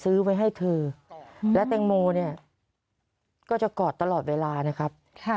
ซื้อไว้ให้เธอและแตงโมเนี่ยก็จะกอดตลอดเวลานะครับ